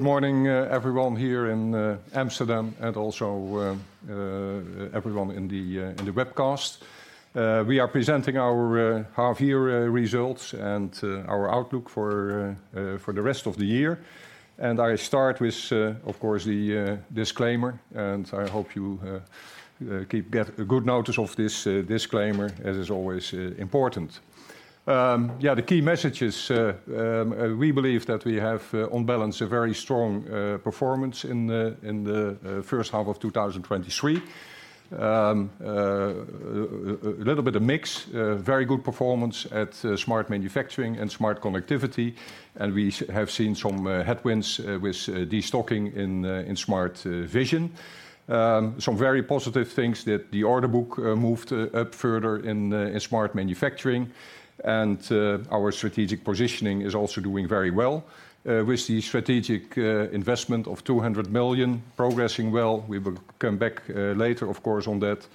Good morning, everyone here in Amsterdam, and also, everyone in the webcast. We are presenting our half-year results and our outlook for the rest of the year. I start with, of course, the disclaimer, and I hope you get a good notice of this disclaimer, as is always important. Yeah, the key messages, we believe that we have, on balance, a very strong performance in the First Half of 2023. A little bit of mix, very good performance at Smart Manufacturing and Smart Connectivity, and we have seen some headwinds with destocking in Smart Vision. Um, some very positive things that the order book moved up further in Smart Manufacturing, and, uh, our strategic positioning is also doing very well, with the strategic, uh, investment of two hundred million progressing well. We will come back, uh, later, of course, on that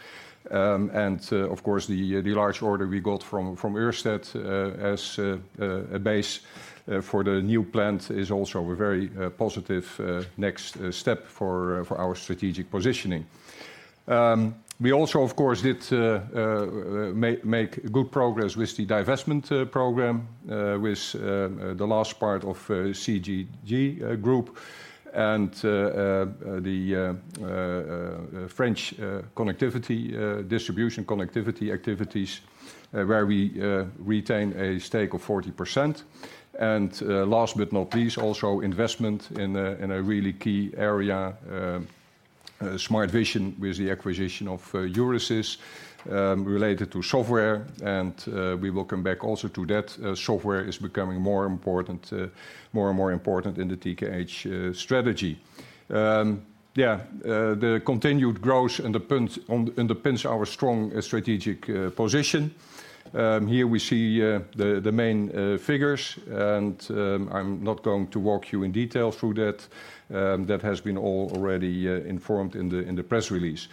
and of course, the, uh, the large order we got from, from Ørsted, as base, uh, for the new plant is also a very, uh, positive, uh, next, uh, step for our strategic positioning. Um, we also, of course, did ma- make good progress with the divestment, uh, program, uh, with the last part of CGG Group, and French, uh, connectivity, uh, distribution connectivity activities, uh, where we, uh, retain a stake of 40%. Last but not least, also investment in a in a really key area, Smart Vision with the acquisition of Euresys, related to software, and we will come back also to that. Software is becoming more important, more and more important in the TKH strategy. Yeah, the continued growth and the punt on-- and depends our strong strategic position. Here we see the the main figures, and I'm not going to walk you in detail through that. That has been all already informed in the press release.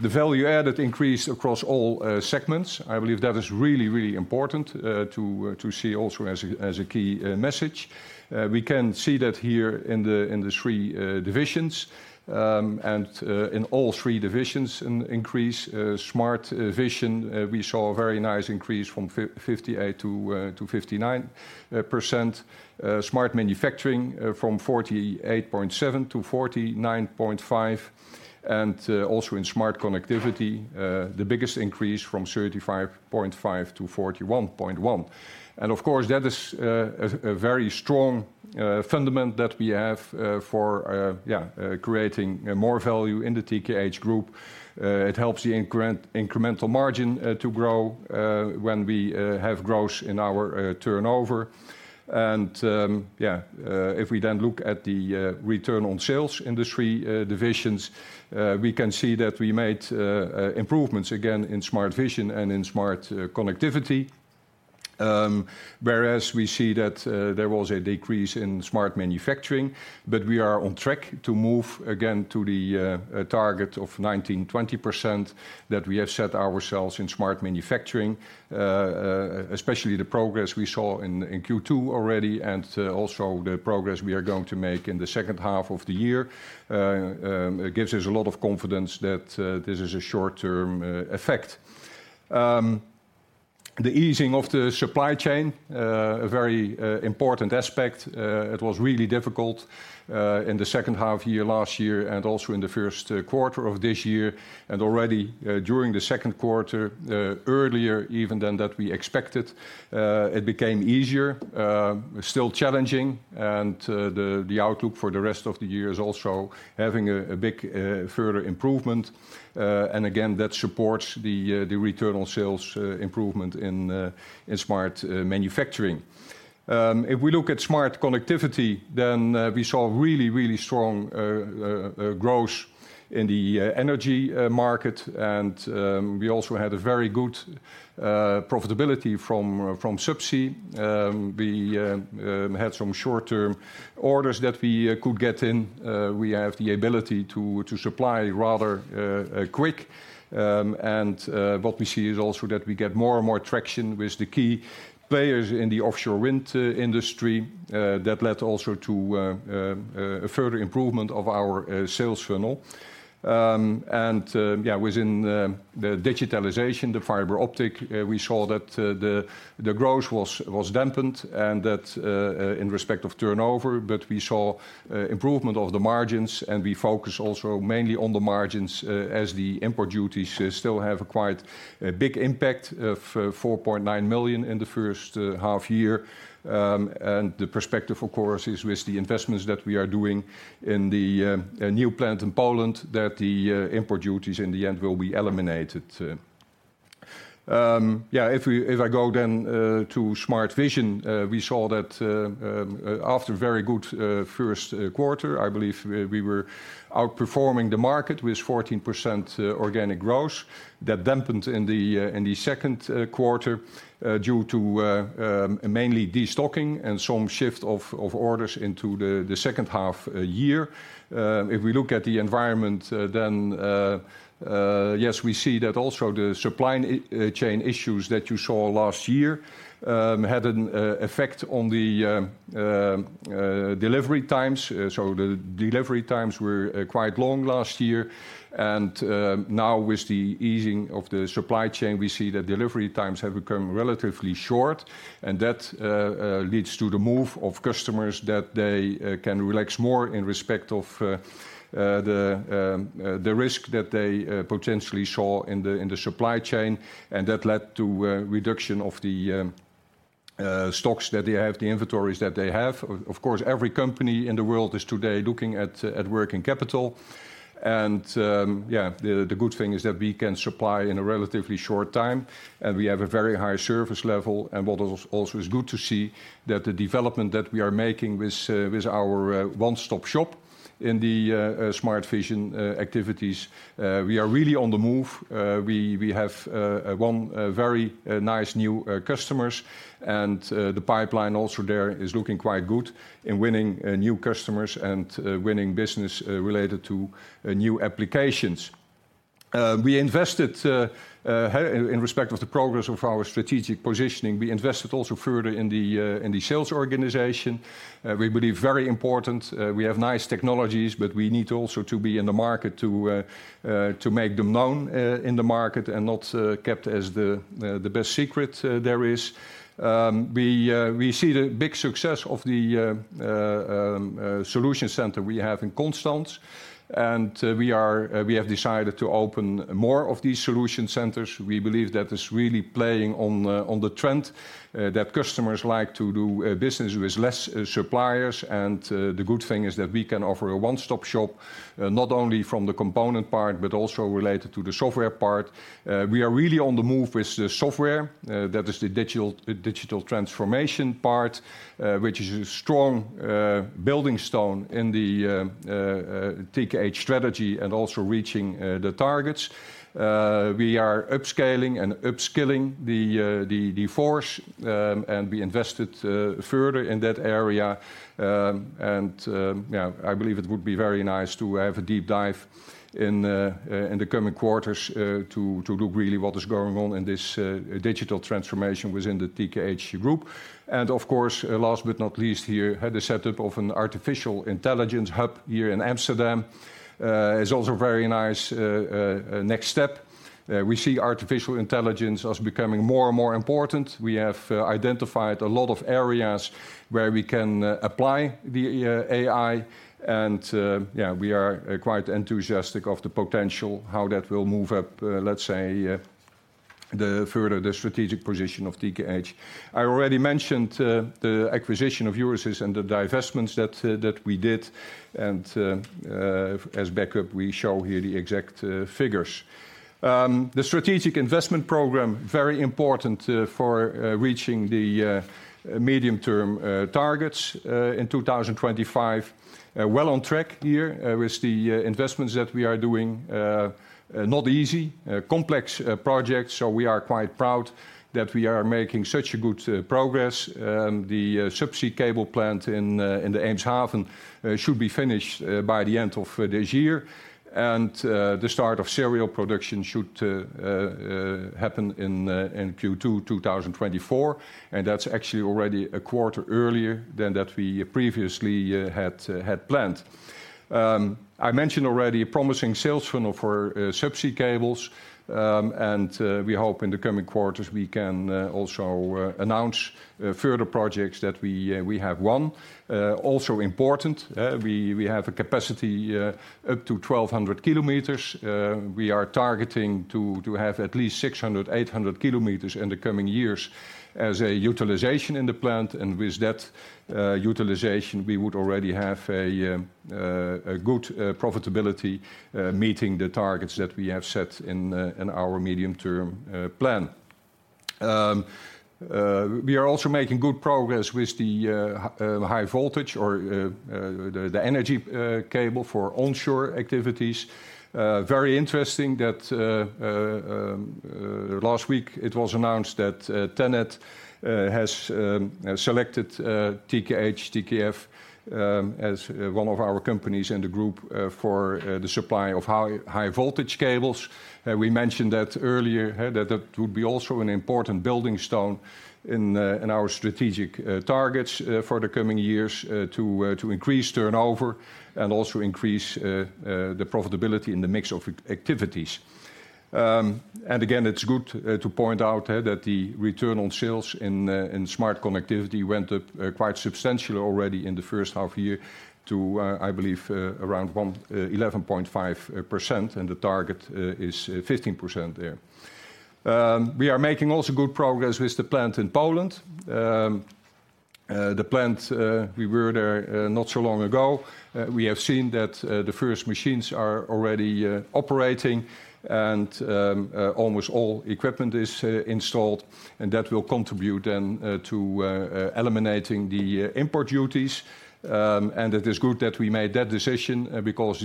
The value added increased across all segments. I believe that is really, really important to to see also as a as a key message. We can see that here in the three divisions, in all three divisions an increase. Smart Vision, we saw a very nice increase from 58%-59%. Smart Manufacturing, from 48.7%-49.5%, also in Smart Connectivity, the biggest increase from 35.5%-41.1%. Of course, that is a very strong fundament that we have for creating more value in the TKH Group. It helps the incremental margin to grow when we have growth in our turnover. Yeah, if we then look at the return on sales industry divisions, we can see that we made improvements again in Smart Vision and in Smart Connectivity. Whereas we see that there was a decrease in Smart Manufacturing, but we are on track to move again to the target of 19%-20% that we have set ourselves in Smart Manufacturing. Especially the progress we saw in Q2 already, and also the progress we are going to make in the second half of the year, it gives us a lot of confidence that this is a short-term effect. The easing of the supply chain, a very important aspect. It was really difficult in the second half year last year and also in the first quarter of this year, already during the second quarter, earlier even than that we expected, it became easier, still challenging, the outlook for the rest of the year is also having a big further improvement. Again, that supports the return on sales improvement in Smart Manufacturing. If we look at Smart Connectivity, then we saw really, really strong growth in the energy market, we also had a very good profitability from subsea. We had some short-term orders that we could get in. We have the ability to supply rather quick. What we see is also that we get more and more traction with the key players in the offshore wind industry, that led also to a further improvement of our sales funnel. Within the digitalization, the fiber optic, we saw that the growth was dampened and that in respect of turnover, but we saw improvement of the margins, and we focus also mainly on the margins, as the import duties still have a quite big impact of 4.9 million in the first half year. The perspective, of course, is with the investments that we are doing in the new plant in Poland, that the import duties in the end will be eliminated. If we, if I go then to Smart Vision, we saw that after very good first quarter, I believe we were outperforming the market with 14% organic growth. That dampened in the second quarter due to mainly destocking and some shift of orders into the second half year. If we look at the environment, then yes, we see that also the supply chain issues that you saw last year had an effect on the delivery times. The delivery times were quite long last year, and now with the easing of the supply chain, we see that delivery times have become relatively short. That leads to the move of customers, that they can relax more in respect of the risk that they potentially saw in the supply chain. That led to a reduction of the stocks that they have, the inventories that they have. Of course, every company in the world is today looking at working capital. Yeah, the good thing is that we can supply in a relatively short time, and we have a very high service level. What is also is good to see, that the development that we are making with our one-stop shop in the Smart Vision activities, we are really on the move. We, we have one very nice new customers, and the pipeline also there is looking quite good in winning new customers and winning business related to new applications. We invested in, in respect of the progress of our strategic positioning, we invested also further in the sales organization. We believe very important, we have nice technologies, but we need also to be in the market to make them known in the market and not kept as the best secret there is. We, we see the big success of the Solution Center we have in Konstanz, and we have decided to open more of these Solution Centers. We believe that is really playing on the, on the trend that customers like to do business with less suppliers. The good thing is that we can offer a one-stop shop not only from the component part, but also related to the software part. We are really on the move with the software, that is the digital, digital transformation part, which is a strong building stone in the TKH strategy and also reaching the targets. We are upscaling and upskilling the, the, the force, and we invested further in that area. Yeah, I believe it would be very nice to have a deep dive in the coming quarters to look really what is going on in this digital transformation within the TKH Group. Of course, last but not least, here, had the setup of an artificial intelligence hub here in Amsterdam, is also very nice, next step. We see artificial intelligence as becoming more and more important. We have identified a lot of areas where we can apply the AI, and, yeah, we are quite enthusiastic of the potential, how that will move up, let's say, the further the strategic position of TKH. I already mentioned the acquisition of Euresys and the divestments that we did, and, as backup, we show here the exact figures. The strategic investment program, very important, for reaching the medium-term targets in 2025. Well on track here, with the investments that we are doing. Not easy, complex project, we are quite proud that we are making such a good progress. The subsea cable plant in the Eemshaven should be finished by the end of this year. The start of serial production should happen in Q2 2024, and that's actually already a quarter earlier than that we previously had planned. I mentioned already a promising sales funnel for subsea cables, we hope in the coming quarters we can also announce further projects that we have won. Also important, we have a capacity up to 1,200 kilometers. We are targeting to have at least 600-800 kilometers in the coming years as a utilization in the plant. With that utilization, we would already have a good profitability, meeting the targets that we have set in our medium-term plan. We are also making good progress with the high voltage or the energy cable for onshore activities. Very interesting that last week it was announced that TenneT has selected TKH, TKF, as one of our companies in the group, for the supply of high, high-voltage cables. We mentioned that earlier, that that would be also an important building stone in our strategic targets for the coming years to to increase turnover and also increase the profitability in the mix of activities. Again, it's good to point out that the return on sales in Smart Connectivity went up quite substantially already in the first half year to I believe around 11.5%, and the target is 15% there. We are making also good progress with the plant in Poland. The plant we were there not so long ago. We have seen that the first machines are already operating and almost all equipment is installed, and that will contribute then to eliminating the import duties. It is good that we made that decision because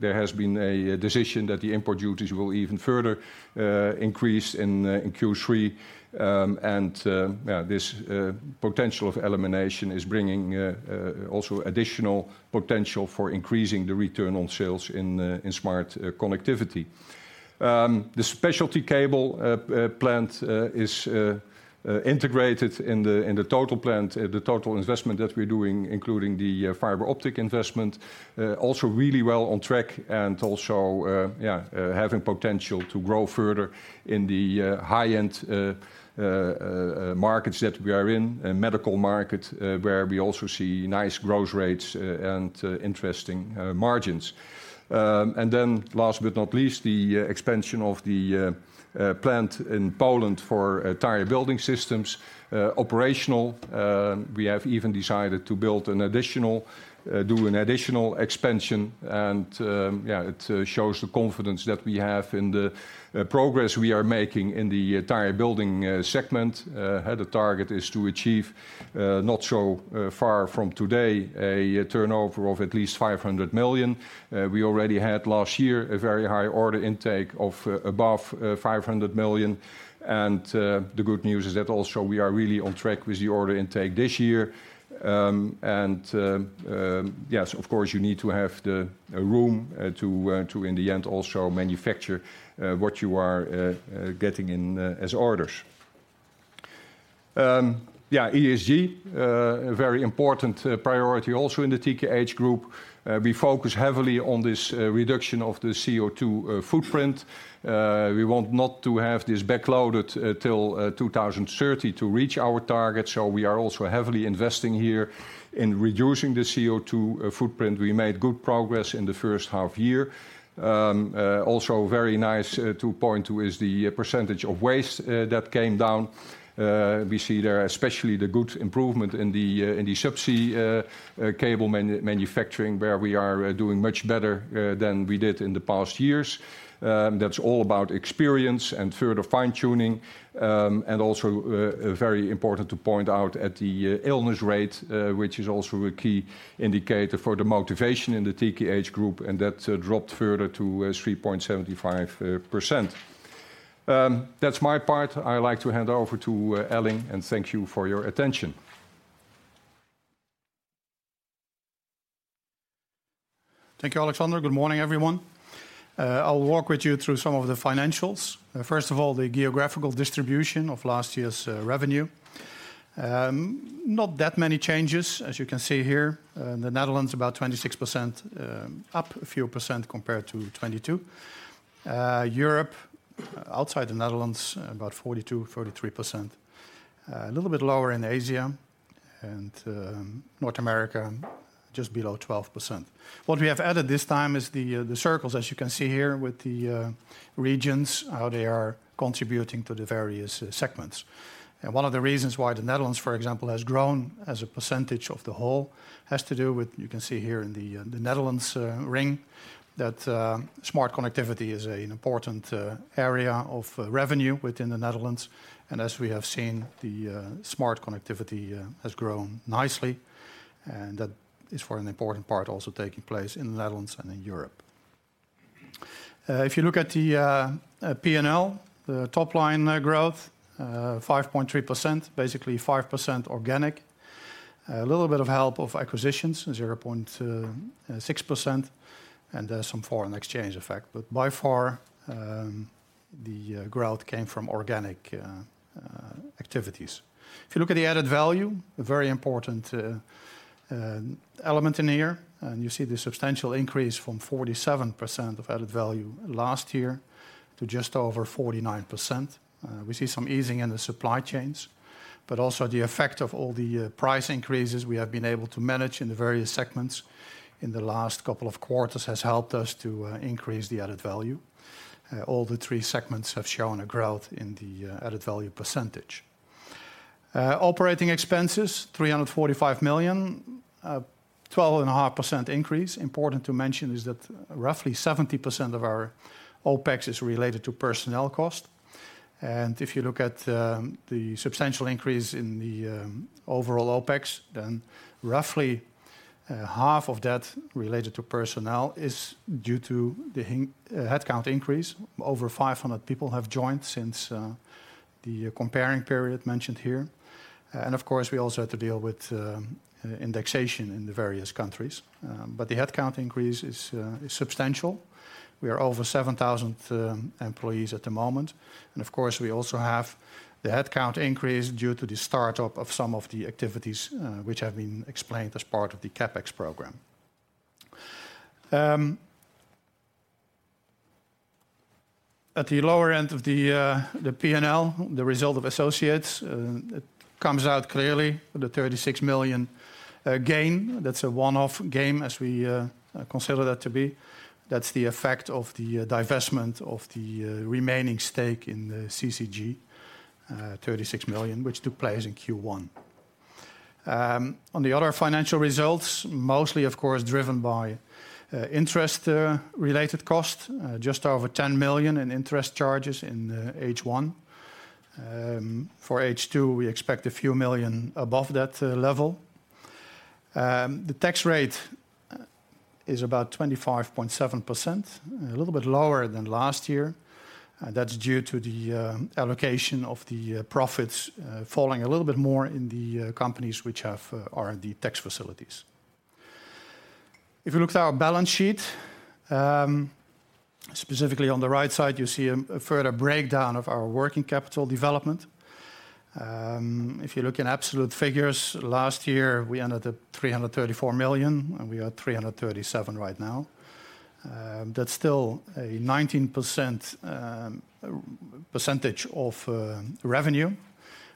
there has been a decision that the import duties will even further increase in Q3. Yeah, this potential of elimination is bringing also additional potential for increasing the return on sales in Smart Connectivity. The Specialty Cable plant is integrated in the total plant. The total investment that we're doing, including the fiber optic investment, also really well on track and also having potential to grow further in the high-end markets that we are in, and medical market, where we also see nice growth rates and interesting margins. Last but not least, the expansion of the plant in Poland for Tire Building systems. Operational, we have even decided to build an additional do an additional expansion, it shows the confidence that we have in the progress we are making in the tire building segment. The target is to achieve, not so far from today, a turnover of at least 500 million. We already had last year a very high order intake of above 500 million, the good news is that also we are really on track with the order intake this year. Yes, of course, you need to have the room to to, in the end, also manufacture what you are getting in as orders. ESG, a very important priority also in the TKH Group. We focus heavily on this reduction of the CO2 footprint. We want not to have this backloaded till 2030 to reach our target, we are also heavily investing here in reducing the CO2 footprint. We made good progress in the first half year. Also very nice to point to is the percentage of waste that came down. We see there especially the good improvement in the subsea cable man-manufacturing, where we are doing much better than we did in the past years. That's all about experience and further fine-tuning. And also very important to point out at the illness rate, which is also a key indicator for the motivation in the TKH Group, and that dropped further to 3.75%. That's my part. I would like to hand over to Elling, and thank you for your attention. Thank you, Alexander. Good morning, everyone. I'll walk with you through some of the financials. First of all, the geographical distribution of last year's revenue. Not that many changes, as you can see here. The Netherlands, about 26%, up a few % compared to 2022. Europe, outside the Netherlands, about 42%-43%. A little bit lower in Asia, and North America, just below 12%. What we have added this time is the circles, as you can see here, with the regions, how they are contributing to the various segments. One of the reasons why the Netherlands, for example, has grown as a percentage of the whole, has to do with, you can see here in the the Netherlands ring, that Smart Connectivity is an important area of revenue within the Netherlands. As we have seen, the Smart Connectivity has grown nicely, and that is for an important part, also taking place in the Netherlands and in Europe. If you look at the P&L, the top line growth, 5.3%, basically 5% organic. A little bit of help of acquisitions, 0.6%, and some foreign exchange effect. By far, the growth came from organic activities. If you look at the added value, a very important element in here, and you see the substantial increase from 47% of added value last year to just over 49%. We see some easing in the supply chains, but also the effect of all the price increases we have been able to manage in the various segments in the last couple of quarters has helped us to increase the added value. All the three segments have shown a growth in the added value percentage. Operating expenses, 345 million, 12.5% increase. Important to mention is that roughly 70% of our OpEx is related to personnel cost. If you look at the substantial increase in the overall OpEx, then roughly half of that related to personnel is due to the headcount increase. Over 500 people have joined since the comparing period mentioned here. Of course, we also had to deal with indexation in the various countries, but the headcount increase is substantial. We are over 7,000 employees at the moment, and of course, we also have the headcount increase due to the start-up of some of the activities, which have been explained as part of the CapEx program. At the lower end of the P&L, the result of associates, it comes out clearly, the 36 million. A gain, that's a one-off gain, as we consider that to be. That's the effect of the divestment of the remaining stake in the CCG, 36 million, which took place in Q1. On the other financial results, mostly, of course, driven by interest related costs, just over 10 million in interest charges in H1. For H2, we expect a few million EUR above that level. The tax rate is about 25.7%, a little bit lower than last year. That's due to the allocation of the profits falling a little bit more in the companies which have R&D tax facilities. If you look at our balance sheet, specifically on the right side, you see a further breakdown of our working capital development. If you look in absolute figures, last year we ended at 334 million, and we are 337 million right now. That's still a 19% percentage of revenue.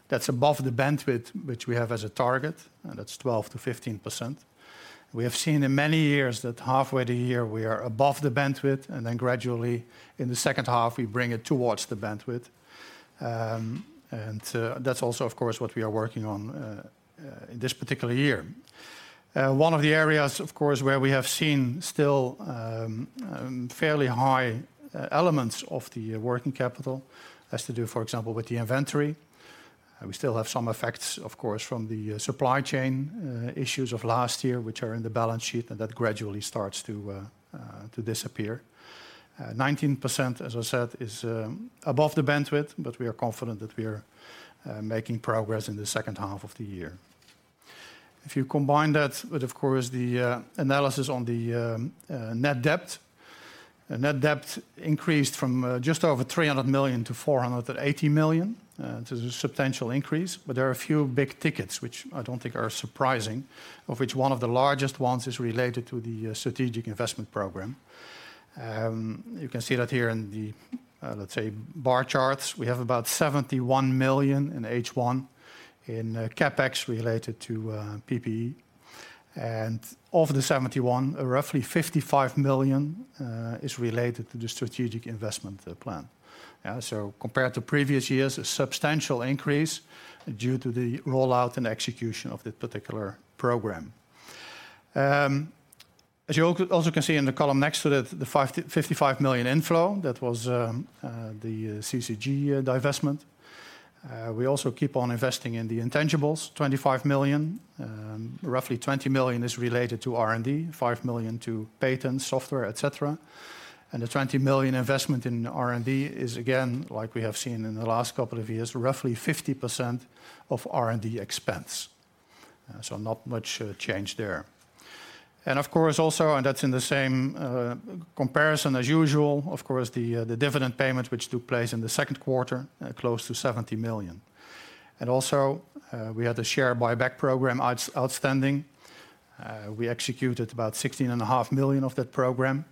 That's above the bandwidth which we have as a target, and that's 12%-15%. We have seen in many years that halfway the year we are above the bandwidth, and then gradually, in the second half, we bring it towards the bandwidth. That's also, of course, what we are working on in this particular year. One of the areas, of course, where we have seen still fairly high elements of the working capital, has to do, for example, with the inventory. We still have some effects, of course, from the supply chain issues of last year, which are in the balance sheet, and that gradually starts to disappear. 19%, as I said, is above the bandwidth, but we are confident that we are making progress in the second half of the year. If you combine that with, of course, the analysis on the net debt, the net debt increased from just over 300 million-480 million. This is a substantial increase, there are a few big tickets, which I don't think are surprising, of which one of the largest ones is related to the strategic investment program. You can see that here in the, let's say, bar charts. We have about 71 million in H1 in CapEx related to PPE. Of the 71, roughly 55 million is related to the strategic investment plan. Compared to previous years, a substantial increase due to the rollout and execution of that particular program. As you also can see in the column next to that, the 55 million inflow, that was the CCG divestment. We also keep on investing in the intangibles, 25 million. Roughly 20 million is related to R&D, 5 million to patents, software, et cetera. The 20 million investment in R&D is, again, like we have seen in the last couple of years, roughly 50% of R&D expense. Not much change there. Of course, also, and that's in the same comparison as usual, of course, the dividend payment, which took place in the second quarter, close to 70 million. Also, we had the share buyback program outstanding. We executed about 16.5 million of that program,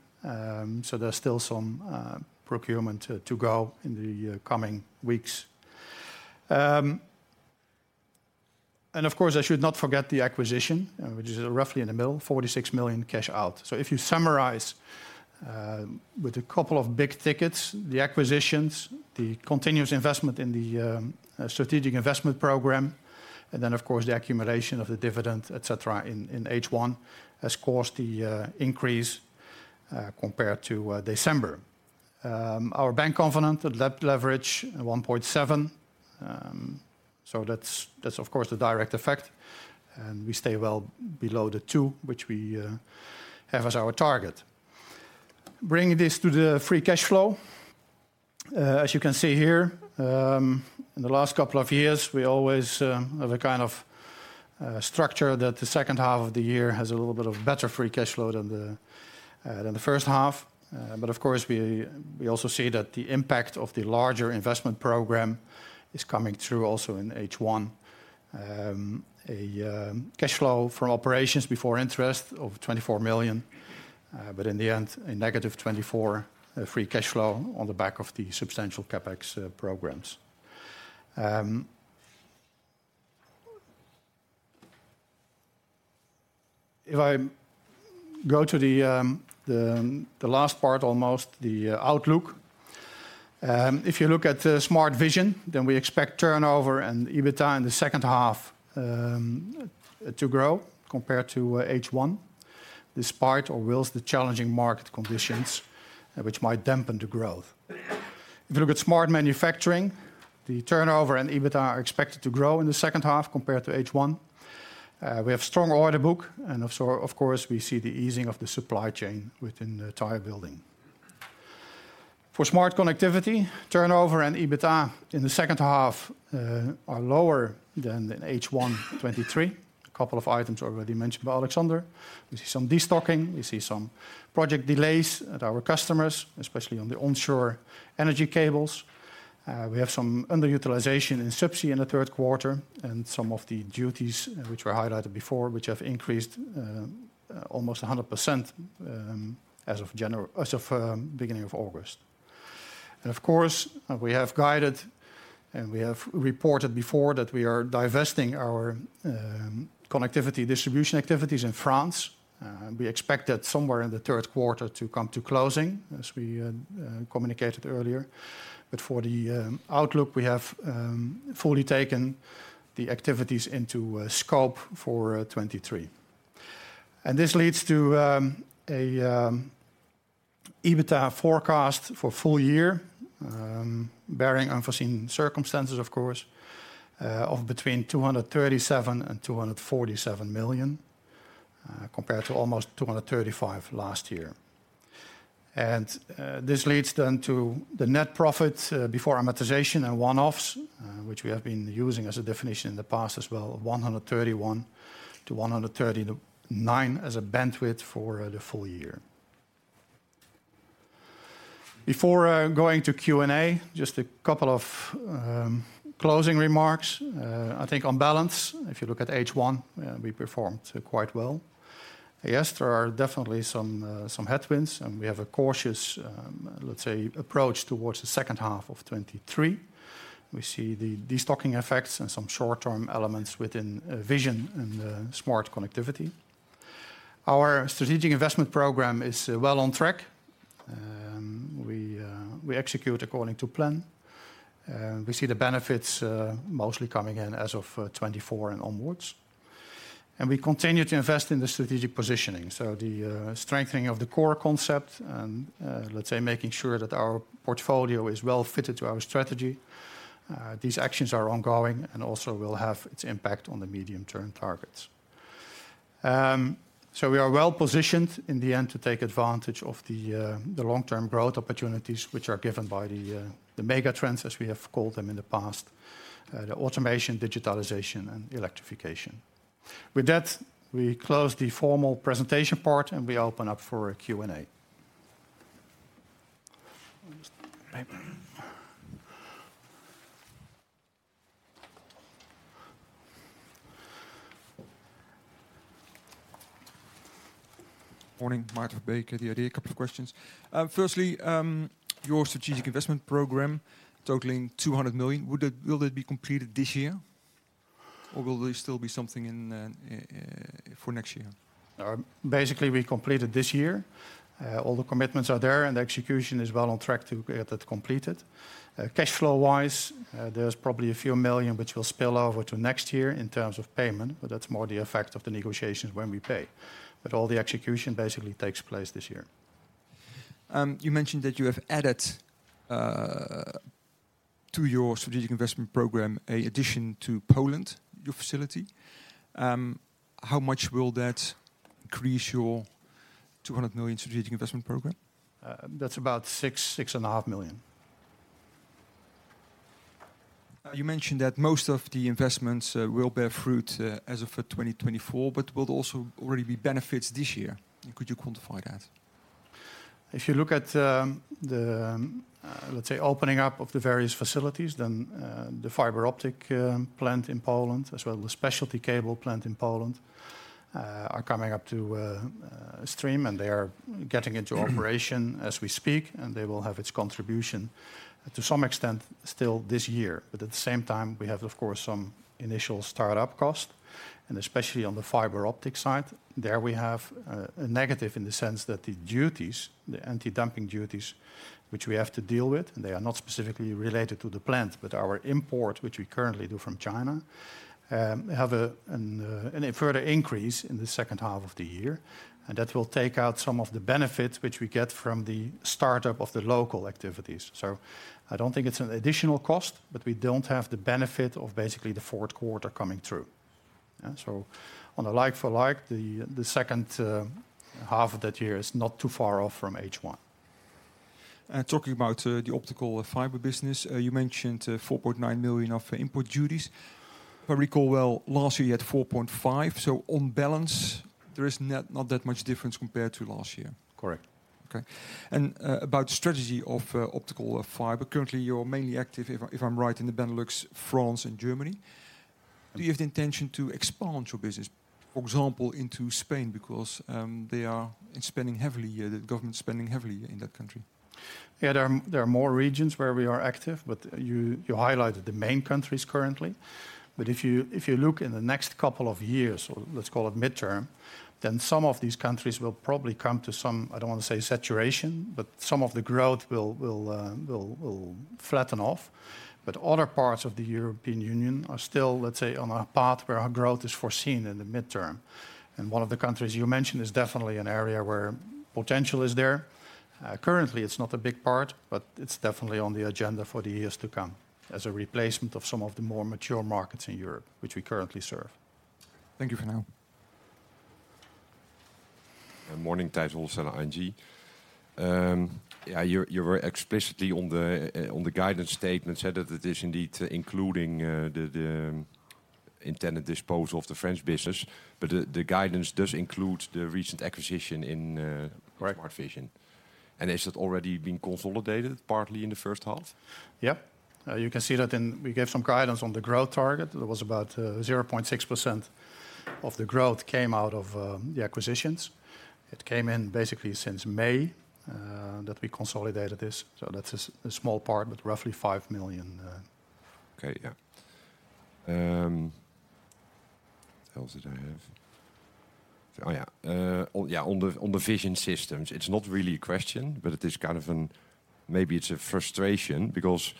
so there's still some procurement to go in the coming weeks. Of course, I should not forget the acquisition, which is roughly in the middle, 46 million cash out. If you summarize, with a couple of big tickets, the acquisitions, the continuous investment in the strategic investment program, and then, of course, the accumulation of the dividend, et cetera, in H1, has caused the increase compared to December. Our bank covenant, the leverage, 1.7, that's, that's of course, the direct effect, and we stay well below the two, which we have as our target. Bringing this to the free cash flow, as you can see here, in the last couple of years, we always have a kind of structure that the second half of the year has a little bit of better free cash flow than the first half. Of course, we, we also see that the impact of the larger investment program is coming through also in H1. Cash flow from operations before interest of 24 million, in the end, a negative 24 free cash flow on the back of the substantial CapEx programs. If I go to the, the, the last part, almost, the outlook, if you look at the Smart Vision, then we expect turnover and EBITDA in the second half, to grow compared to H1, despite or whilst the challenging market conditions, which might dampen the growth. If you look at Smart Manufacturing, the turnover and EBITDA are expected to grow in the second half compared to H1. We have strong order book and of so- of course, we see the easing of the supply chain within the Tire Building. For Smart Connectivity, turnover and EBITDA in the second half, are lower than in H1 2023. A couple of items already mentioned by Alexander. We see some destocking, we see some project delays at our customers, especially on the onshore energy cables. We have some underutilization in Subsea in the third quarter, and some of the duties, which were highlighted before, which have increased almost 100% as of January-- as of beginning of August. Of course, we have guided, and we have reported before that we are divesting our connectivity distribution activities in France. We expect that somewhere in the third quarter to come to closing, as we communicated earlier. For the outlook, we have fully taken the activities into scope for 2023. This leads to an EBITDA forecast for full year, barring unforeseen circumstances, of course, of between 237 million and 247 million, compared to almost 235 million last year. This leads then to the net profit before amortization and one-offs, which we have been using as a definition in the past as well, 131-139 as a bandwidth for the full year. Before going to Q&A, just a couple of closing remarks. I think on balance, if you look at H1, we performed quite well. Yes, there are definitely some headwinds, and we have a cautious, let's say, approach towards the second half of 2023. We see the destocking effects and some short-term elements within vision and Smart Connectivity. Our strategic investment program is well on track. We execute according to plan. We see the benefits mostly coming in as of 2024 and onwards. We continue to invest in the strategic positioning, so the strengthening of the core concept and, let's say, making sure that our portfolio is well fitted to our strategy. These actions are ongoing and also will have its impact on the medium-term targets. We are well positioned in the end to take advantage of the long-term growth opportunities, which are given by the mega trends, as we have called them in the past, the automation, digitalization, and electrification. With that, we close the formal presentation part, and we open up for a Q&A. Morning, Martijn Bakker, The Idea, a couple of questions. Firstly, your strategic investment program totaling 200 million, will it be completed this year, or will there still be something for next year? Basically, we completed this year. All the commitments are there, and the execution is well on track to get that completed. Cash flow-wise, there's probably a few million which will spill over to next year in terms of payment, but that's more the effect of the negotiations when we pay. All the execution basically takes place this year. You mentioned that you have added to your strategic investment program, a addition to Poland, your facility. How much will that increase your 200 million strategic investment program? That's about 6.5 million. You mentioned that most of the investments will bear fruit as of 2024, but will also already be benefits this year. Could you quantify that? If you look at the opening up of the various facilities, then the fiber optic plant in Poland, as well as the Specialty Cable plant in Poland, are coming up to stream, and they are getting into operation as we speak, and they will have its contribution to some extent still this year. But at the same time, we have, of course, some initial start-up cost, and especially on the fiber optic side. There we have a negative in the sense that the duties, the anti-dumping duties, which we have to deal with, and they are not specifically related to the plant, but our import, which we currently do from China, have a an an further increase in the second half of the year. That will take out some of the benefits which we get from the startup of the local activities. I don't think it's an additional cost, but we don't have the benefit of basically the fourth quarter coming through. On a like for like, the second half of that year is not too far off from H1. Talking about the fiber optic business, you mentioned 4.9 million of import duties. If I recall well, last year you had 4.5 million, so on balance, there is not, not that much difference compared to last year. Correct. Okay. About strategy of optical fiber, currently, you're mainly active, if I, if I'm right, in the Benelux, France and Germany. Do you have the intention to expand your business, for example, into Spain? Because they are spending heavily, the government is spending heavily in that country. Yeah, there are, there are more regions where we are active, but you, you highlighted the main countries currently. If you, if you look in the next couple of years, or let's call it midterm, then some of these countries will probably come to some, I don't want to say saturation, but some of the growth will, will, will flatten off. Other parts of the European Union are still, let's say, on a path where our growth is foreseen in the midterm. One of the countries you mentioned is definitely an area where potential is there. Currently, it's not a big part, but it's definitely on the agenda for the years to come, as a replacement of some of the more mature markets in Europe, which we currently serve. Thank you for now. Morning, Tijs and ING. Yeah, you, you were explicitly on the guidance statement, said that it is indeed including the intended disposal of the French business, but the guidance does include the recent acquisition in. Correct... Smart Vision. Has it already been consolidated partly in the first half? Yeah.... You can see that in, we gave some guidance on the growth target. It was about 0.6% of the growth came out of the acquisitions. It came in basically since May that we consolidated this, so that is a small part, but roughly 5 million. Okay, yeah. What else did I have? Oh, yeah, on, yeah, on the, on the vision systems, it's not really a question, but it is kind of maybe it's a frustration, because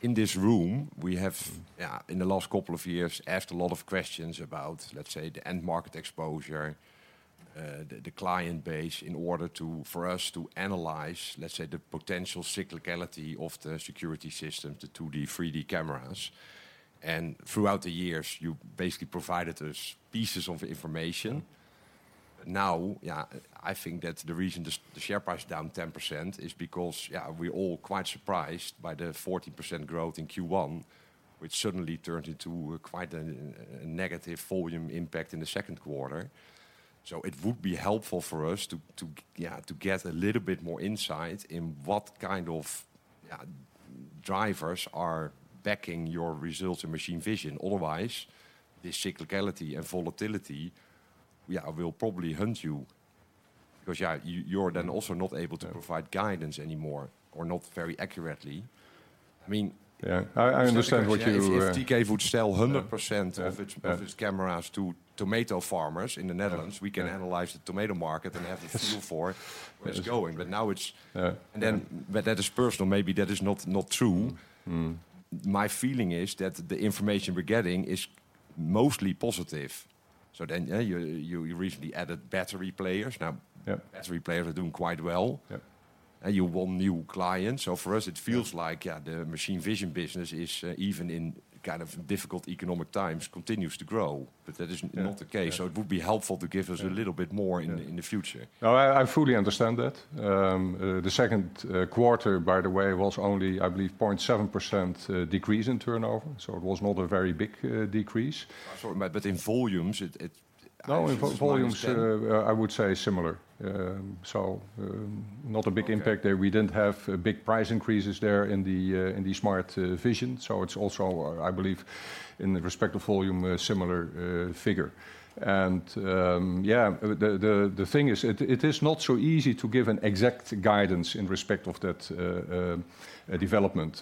in this room we have, yeah, in the last couple of years, asked a lot of questions about, let's say, the end market exposure, the, the client base, in order to, for us to analyze, let's say, the potential cyclicality of the security systems, the 2D, 3D cameras. Throughout the years, you basically provided us pieces of information. I think that the reason the share price is down 10% is because we're all quite surprised by the 40% growth in Q1, which suddenly turned into quite a negative volume impact in the second quarter. It would be helpful for us to get a little bit more insight in what kind of drivers are backing your results in Machine Vision. Otherwise, the cyclicality and volatility will probably hunt you. You're then also not able to provide guidance anymore, or not very accurately. I mean. Yeah, I, I understand what you. If TK would sell 100%- Yeah, yeah.... of its, of its cameras to tomato farmers in the Netherlands, we can analyze the tomato market- and have a feel for where it's going. Yes. now it's- Yeah. That is personal. Maybe that is not, not true. Mm. My feeling is that the information we're getting is mostly positive. Yeah, you, you recently added battery players. Yeah... battery players are doing quite well. Yeah. You won new clients. For us, it feels like- Yeah... yeah, the Machine Vision business is, even in kind of difficult economic times, continues to grow. That is not the case. Yeah. It would be helpful to give us a little bit more in the, in the future. No, I, I fully understand that. The second quarter, by the way, was only, I believe, 0.7% decrease in turnover. It was not a very big decrease. Sorry, but in volumes, it, it, I understand- No, in volumes, I would say similar. Not a big impact there. Okay. We didn't have big price increases there in the Smart Vision. It's also, I believe, in the respect of volume, a similar figure. Yeah, the thing is, it is not so easy to give an exact guidance in respect of that development.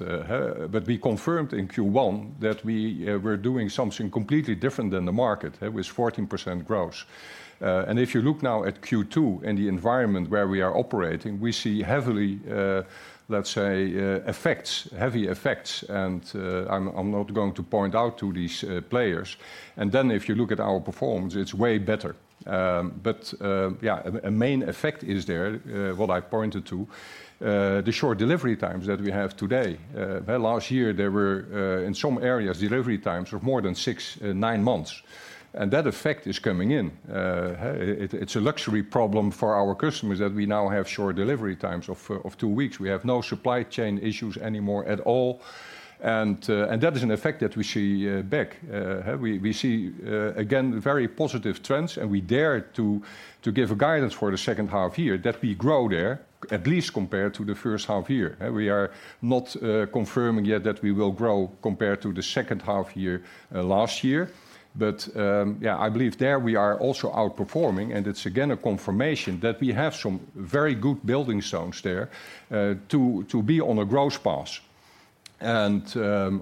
We confirmed in Q1 that we were doing something completely different than the market. It was 14% growth. If you look now at Q2 and the environment where we are operating, we see heavily, let's say, effects, heavy effects, I'm not going to point out to these players. If you look at our performance, it's way better. A main effect is there, what I pointed to, the short delivery times that we have today. Well, last year there were, in some areas, delivery times of more than 6-9 months. That effect is coming in. It's a luxury problem for our customers, that we now have short delivery times of 2 weeks. We have no supply chain issues anymore at all, that is an effect that we see back. We see again, very positive trends, and we dare to give a guidance for the second half year that we grow there, at least compared to the first half year. We are not confirming yet that we will grow compared to the second half year last year. Yeah, I believe there we are also outperforming, and it's again a confirmation that we have some very good building stones there to be on a growth path.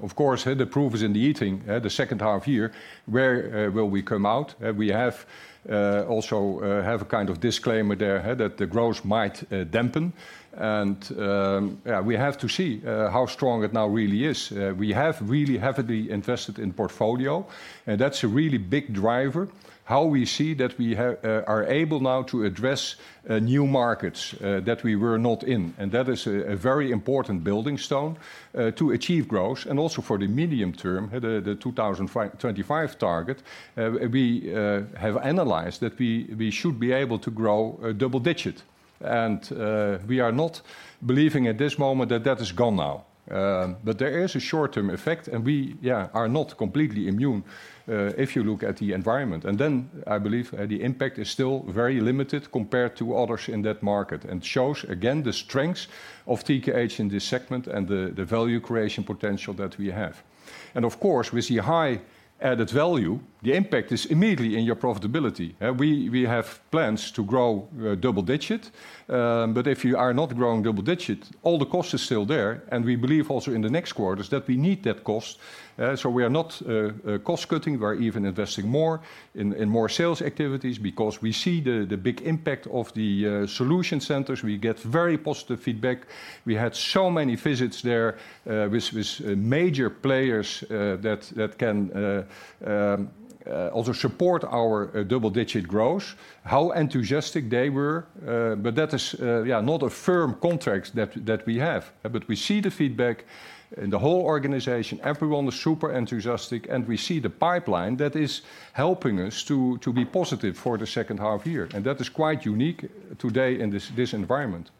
Of course, the proof is in the eating, the second half year, where will we come out? We have also have a kind of disclaimer there that the growth might dampen. Yeah, we have to see how strong it now really is. We have really heavily invested in portfolio, and that's a really big driver. How we see that we have are able now to address new markets that we were not in, and that is a very important building stone to achieve growth and also for the medium term, the 2025 target. We have analyzed that we should be able to grow double-digit. We are not believing at this moment that that is gone now. There is a short-term effect, and we, yeah, are not completely immune if you look at the environment. I believe the impact is still very limited compared to others in that market, and shows again the strengths of TKH in this segment and the value creation potential that we have. With the high added value, the impact is immediately in your profitability. We have plans to grow double-digit, if you are not growing double-digit, all the cost is still there, and we believe also in the next quarters that we need that cost. We are not cost-cutting. We are even investing more in, in more sales activities because we see the big impact of the Solution Centers. We get very positive feedback. We had so many visits there, with major players, that can also support our double-digit growth, how enthusiastic they were. That is, yeah, not a firm contract that we have. But we see the feedback in the whole organization. Everyone was super enthusiastic, and we see the pipeline that is helping us to be positive for the second half-year, and that is quite unique today in this environment.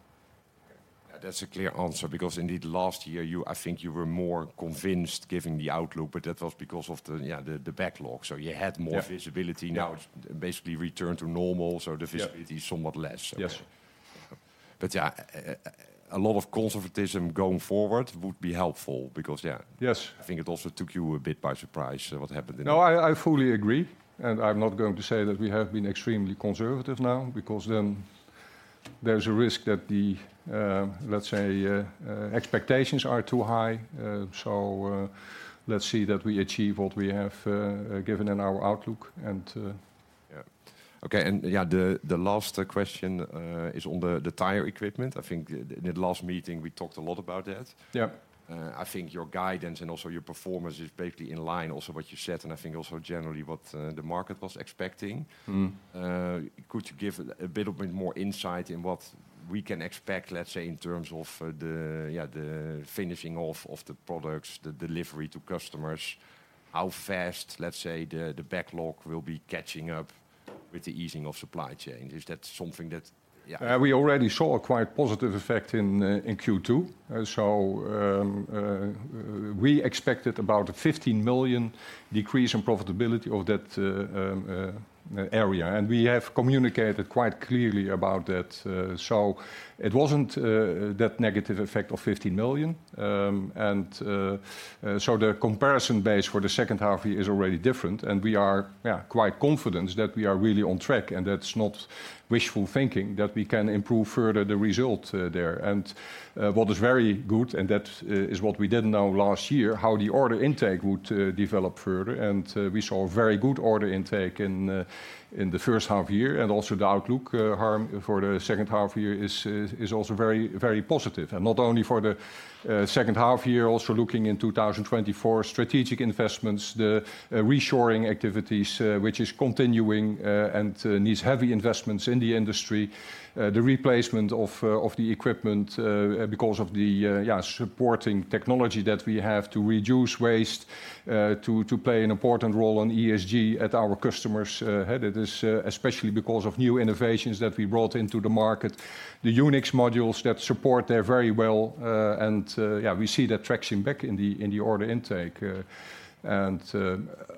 Yeah, that's a clear answer, because indeed last year, I think you were more convinced giving the outlook, but that was because of the, yeah, the backlog. You had more... Yeah... visibility. Now it's basically returned to normal. visibility is somewhat less. Yes. Yeah, a lot of conservatism going forward would be helpful because, yeah. Yes. I think it also took you a bit by surprise. What happened then? No, I, I fully agree, and I'm not going to say that we have been extremely conservative now, because then there's a risk that the, let's say, expectations are too high. Let's see that we achieve what we have given in our outlook. Yeah. Okay, yeah, the, the last question, is on the, the tire equipment. I think at, at the last meeting we talked a lot about that. Yeah. I think your guidance and also your performance is basically in line, also what you said, and I think also generally what the market was expecting. Could you give a, a bit of more insight in what we can expect, let's say, in terms of, the finishing off of the products, the delivery to customers? How fast, let's say, the backlog will be catching up with the easing of supply chain? Is that something that... We already saw a quite positive effect in Q2. We expected about a 15 million decrease in profitability of that area, and we have communicated quite clearly about that. It wasn't that negative effect of 15 million. The comparison base for the second half is already different, and we are, yeah, quite confident that we are really on track, and that's not wishful thinking, that we can improve further the result there. What is very good, and that is what we did know last year, how the order intake would develop further. We saw a very good order intake in the first half year, and also the outlook, Harm, for the second half year is, is, is also very, very positive. Not only for the second half year, also looking in 2024, strategic investments, the reshoring activities, which is continuing and needs heavy investments in the industry. The replacement of the equipment, because of the yeah, supporting technology that we have to reduce waste, to play an important role on ESG at our customers' head. It is especially because of new innovations that we brought into the market. The UNIXX modules that support there very well, and yeah, we see that traction back in the order intake.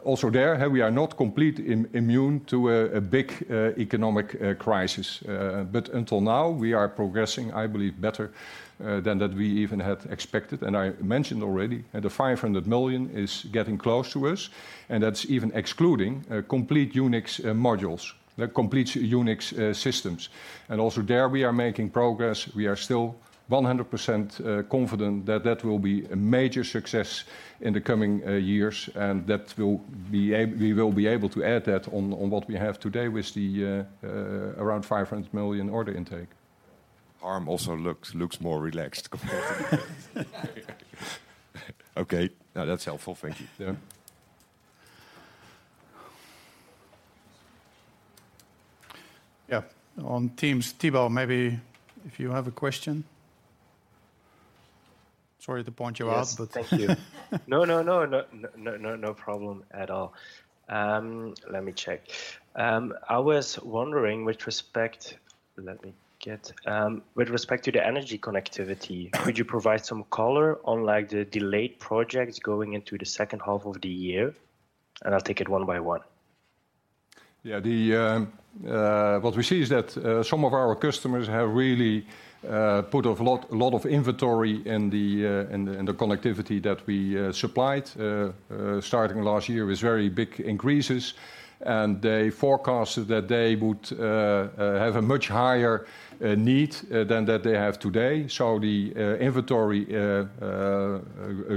Also there, we are not complete immune to a big economic crisis. Until now, we are progressing, I believe, better than that we even had expected. I mentioned already, that the 500 million is getting close to us, and that's even excluding complete UNIXX modules, the complete UNIXX systems. Also there we are making progress. We are still 100% confident that that will be a major success in the coming years, and that will be we will be able to add that on, on what we have today with the around 500 million order intake. Harm also looks, looks more relaxed. Okay, now that's helpful. Thank you. Yeah. Yeah. On teams, Thibault, maybe if you have a question? Sorry to point you out, but- Yes, thank you. No, problem at all. Let me check. I was wondering with respect... Let me get, with respect to the energy connectivity, could you provide some color on, like, the delayed projects going into the second half of the year? I'll take it one by one. Yeah, the, what we see is that, some of our customers have really, put off a lot, a lot of inventory in the, in the, in the connectivity that we, supplied, starting last year, with very big increases. They forecasted that they would, have a much higher, need, than that they have today. The, inventory,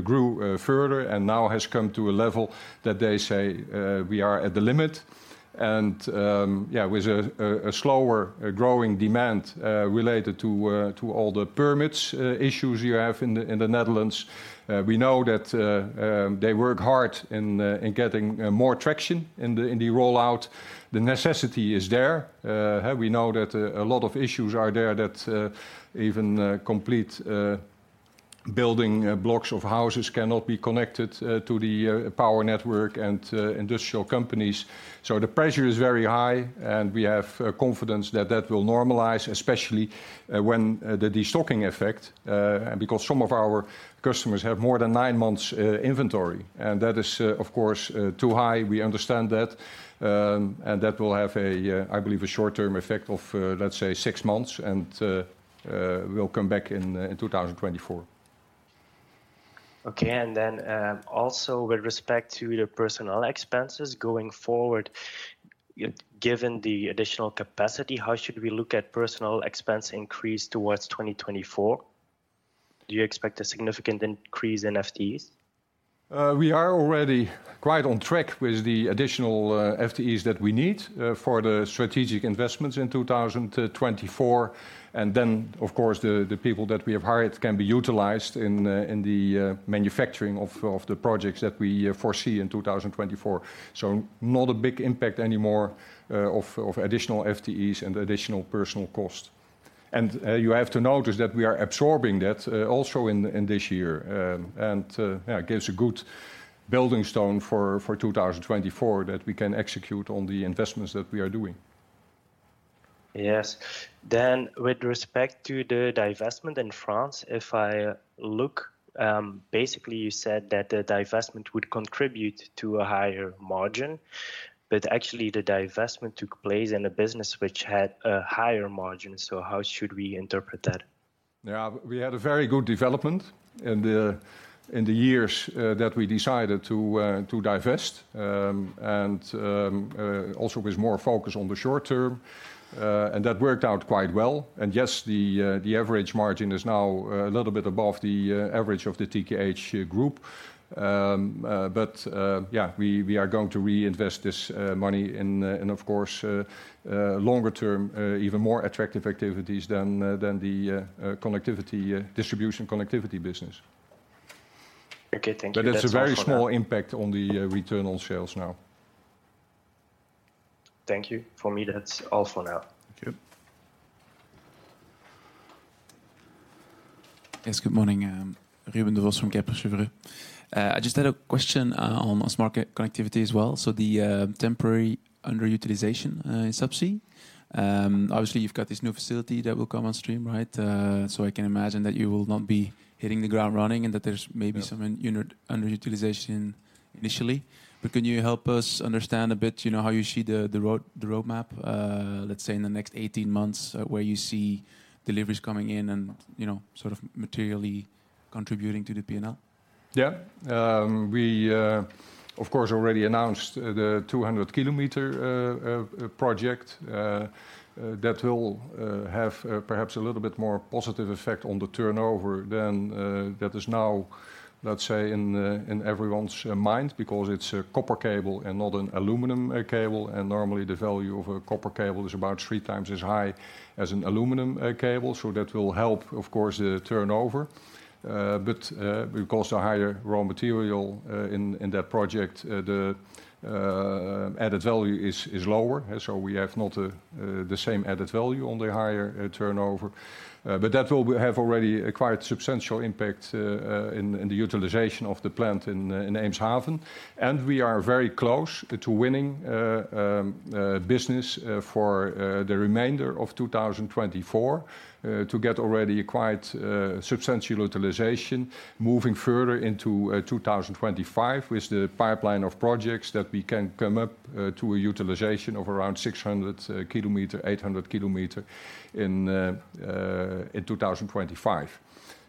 grew, further, and now has come to a level that they say, "We are at the limit." Yeah, with a, a, a slower, growing demand, related to, to all the permits, issues you have in the, in the Netherlands, we know that, they work hard in, in getting, more traction in the, in the rollout. The necessity is there. We know that a lot of issues are there that even complete building blocks of houses cannot be connected to the power network and industrial companies. So the pressure is very high, and we have confidence that that will normalize, especially when the de-stocking effect. Because some of our customers have more than 9 months' inventory, and that is, of course, too high. We understand that, and that will have, I believe, a short-term effect of, let's say, six months, and we'll come back in 2024. Okay. Also with respect to the personnel expenses going forward, given the additional capacity, how should we look at personnel expense increase towards 2024? Do you expect a significant increase in FTEs? We are already quite on track with the additional FTEs that we need for the strategic investments in 2024. Then, of course, the people that we have hired can be utilized in the manufacturing of the projects that we foresee in 2024. So not a big impact anymore of additional FTEs and additional personal cost. And you have to notice that we are absorbing that also in this year. And yeah, it gives a good building stone for 2024, that we can execute on the investments that we are doing. Yes. With respect to the divestment in France, if I look, basically, you said that the divestment would contribute to a higher margin. Actually, the divestment took place in a business which had a higher margin. How should we interpret that? Yeah, we had a very good development in the years that we decided to divest. Also with more focus on the short term, and that worked out quite well. Yes, the average margin is now a little bit above the average of the TKH Group. Yeah, we are going to reinvest this money in of course, longer term, even more attractive activities than the connectivity distribution connectivity business. Okay, thank you. That's all for now. It's a very small impact on the return on sales now. Thank you. For me, that's all for now. Thank you. Yes, good morning. Ruben Devos from Kepler Cheuvreux. I just had a question on Smart Connectivity as well. The temporary underutilization in subsea. Obviously, you've got this new facility that will come on stream, right? I can imagine that you will not be hitting the ground running, and that there's maybe-... some unit underutilization initially. Can you help us understand a bit, you know, how you see the, the road, the roadmap, let's say, in the next 18 months, where you see deliveries coming in and, you know, sort of materially contributing to the P&L? Yeah. We, of course, already announced the 200 kilometer project. That will have perhaps a little bit more positive effect on the turnover than that is now, let's say, in everyone's mind, because it's a copper cable and not an aluminum cable. Normally, the value of a copper cable is about 3 times as high as an aluminum cable, that will help, of course, the turnover. Because the higher raw material in that project, the added value is lower. We have not the same added value on the higher turnover. That will have already acquired substantial impact in the utilization of the plant in Amersfoort. We are very close to winning business for the remainder of 2024 to get already a quite substantial utilization moving further into 2025, with the pipeline of projects that we can come up to a utilization of around 600 kilometer, 800 kilometer in 2025.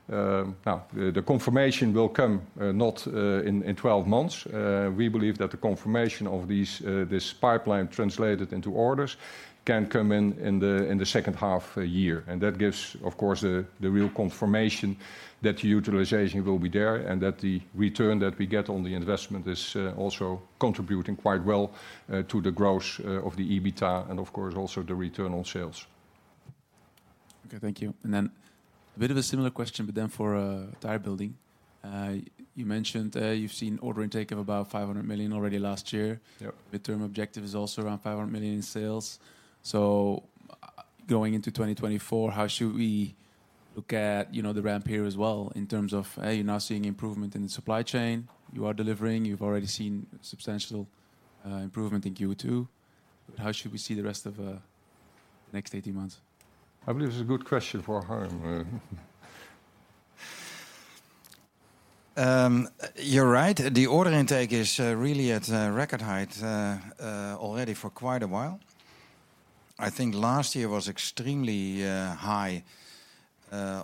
Now, the confirmation will come not in 12 months. We believe that the confirmation of these, this pipeline translated into orders, can come in the second half a year. That gives, of course, the, the real confirmation that the utilization will be there, and that the return that we get on the investment is also contributing quite well to the growth of the EBITDA, and of course, also the return on sales. Okay, thank you. A bit of a similar question, but then for Tire Building. You mentioned, you've seen order intake of about 500 million already last year. The term objective is also around 500 million in sales. Going into 2024, how should we look at, you know, the ramp here as well, in terms of, you're now seeing improvement in the supply chain, you are delivering, you've already seen substantial improvement in Q2. How should we see the rest of the next 18 months? I believe it's a good question for Harm, You're right. The order intake is really at record height already for quite a while. I think last year was extremely high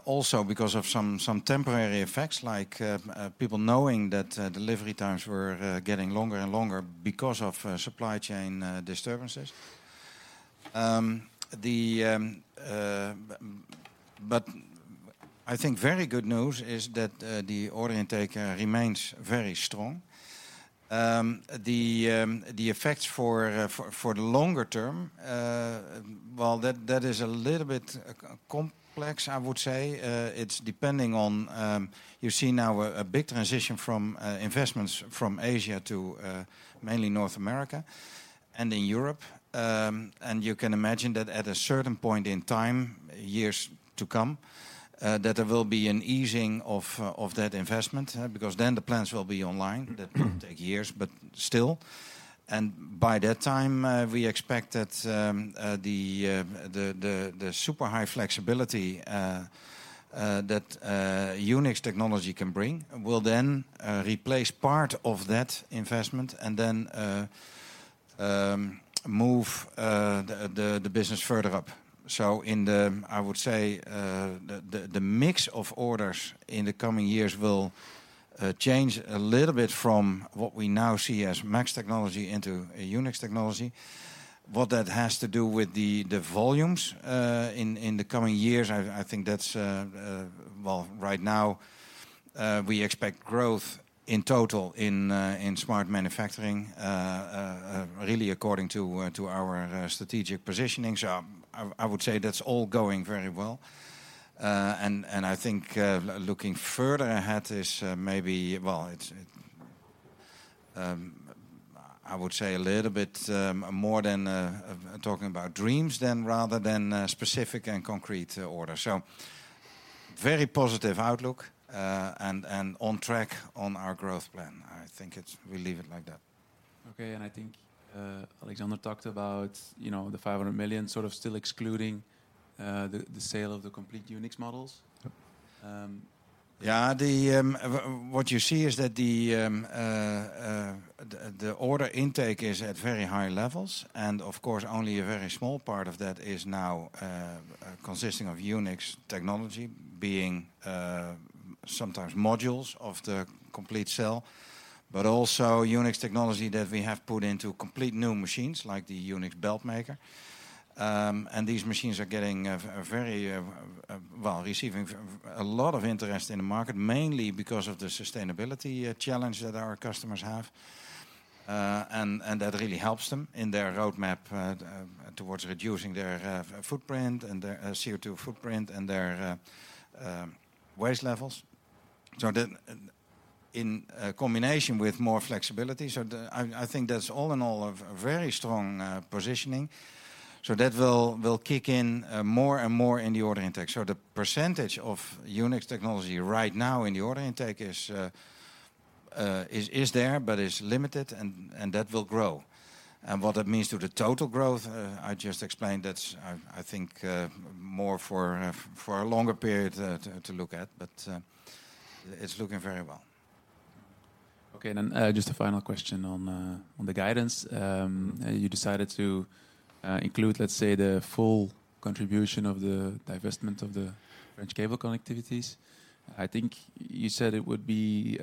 also because of some, some temporary effects, like people knowing that delivery times were getting longer and longer because of supply chain disturbances. I think very good news is that the order intake remains very strong. The effects for, for, for the longer term, well, that, that is a little bit complex, I would say. It's depending on, you see now a big transition from investments from Asia to mainly North America and in Europe. You can imagine that at a certain point in time, years to come, that there will be an easing of that investment, because then the plants will be online. That will take years, but still. By that time, we expect that the super high flexibility that UNIXX technology can bring will then replace part of that investment and then move the business further up. In the, I would say, the mix of orders in the coming years will change a little bit from what we now see as MAXX technology into a UNIXX technology. What that has to do with the volumes in the coming years, I, I think that's. Well, right now, we expect growth in total in Smart Manufacturing really according to our strategic positioning. I, I would say that's all going very well. And I think, looking further ahead is, maybe, well, it's, I would say a little bit more than talking about dreams than, rather than specific and concrete orders. So very positive outlook, and on track on our growth plan. I think it's. We'll leave it like that. Okay. I think Alexander talked about, you know, 500 million, sort of still excluding, the, the sale of the complete UNIXX models?... Yeah, what you see is that the order intake is at very high levels, and of course, only a very small part of that is now consisting of UNIXX technology, being sometimes modules of the complete cell. Also UNIXX technology that we have put into complete new machines, like the UNIXX Belt Maker. These machines are getting a very, well, receiving a lot of interest in the market, mainly because of the sustainability challenge that our customers have. That really helps them in their roadmap towards reducing their footprint and their CO2 footprint and their waste levels. Then in combination with more flexibility, I think that's all in all, a very strong positioning. That will, will kick in more and more in the order intake. The percentage of UNIXX technology right now in the order intake is there, but is limited, and that will grow. What that means to the total growth, I just explained, that's, I think, more for a longer period, to look at, but, it's looking very well. Okay, just a final question on the guidance. You decided to include, let's say, the full contribution of the divestment of the French cable connectivities. I think you said it would be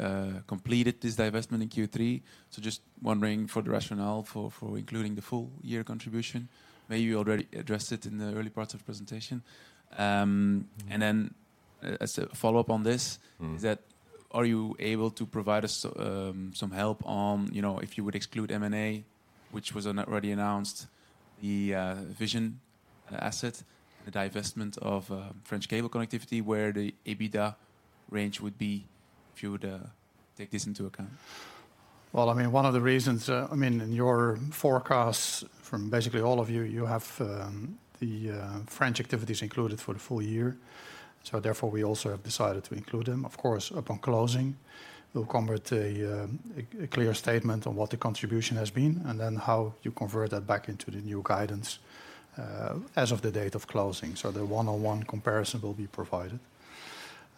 completed, this divestment in Q3. Just wondering for the rationale for, for including the full year contribution. Maybe you already addressed it in the early parts of the presentation. Then as a follow-up on this- is that, are you able to provide us, some help on, you know, if you would exclude M&A, which was already announced, the vision asset, the divestment of, French cable connectivity, where the EBITDA range would be if you would, take this into account? Well, I mean, one of the reasons, I mean, in your forecasts from basically all of you, you have the French activities included for the full year, therefore, we also have decided to include them. Of course, upon closing, we'll convert a clear statement on what the contribution has been and then how you convert that back into the new guidance as of the date of closing. The one-on-one comparison will be provided.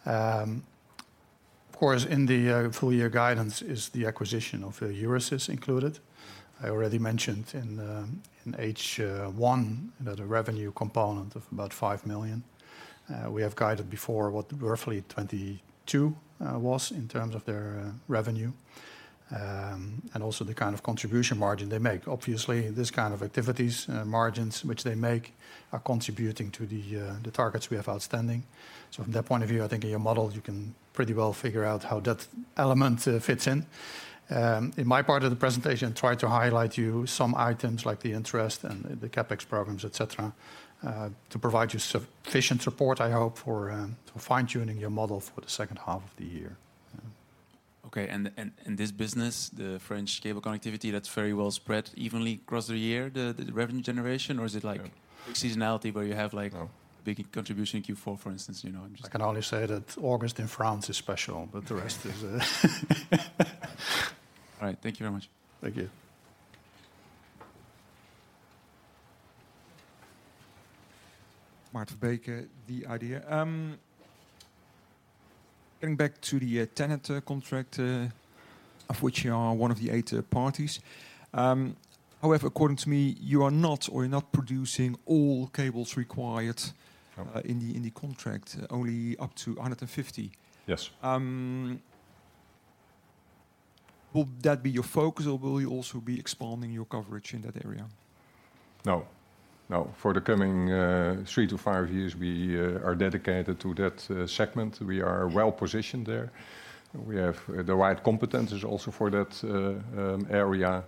Of course, in the full year guidance is the acquisition of Euresys included. I already mentioned in H1, that a revenue component of about 5 million. We have guided before what roughly 22 million was in terms of their revenue and also the kind of contribution margin they make. Obviously, this kind of activities, margins which they make, are contributing to the, the targets we have outstanding. So from that point of view, I think in your model, you can pretty well figure out how that element, fits in. In my part of the presentation, try to highlight you some items like the interest and the CapEx programs, et cetera, to provide you sufficient support, I hope, for, for fine-tuning your model for the second half of the year. Yeah. Okay. And, and this business, the French cable connectivity, that's very well spread evenly across the year, the, the revenue generation? Is it like- No... seasonality, where you have. No big contribution in Q4, for instance, you know, I'm just- I can only say that August in France is special, but the rest is... All right. Thank you very much. Thank you. Martijn Bakker, The Idea. Getting back to the TenneT contract, of which you are one of the 8 parties. However, according to me, you are not or you're not producing all cables required... Uh- in the, in the contract, only up to 150. Yes. Will that be your focus, or will you also be expanding your coverage in that area? No. No. For the coming three to five years, we are dedicated to that segment. We are well positioned there. We have the right competencies also for that area,